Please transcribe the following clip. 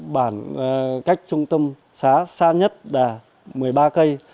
bản cách trung tâm xá xa nhất là một mươi ba cây